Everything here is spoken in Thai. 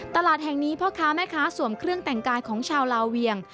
ตลาดแห่งนี้พ่อค้าแม่ค้าสวมเครื่องแต่งกายของชาวลาเวียง